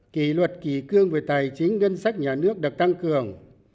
kỷ luật kỳ cương về tài chính ngân sách nhà nước được tăng cường